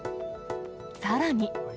さらに。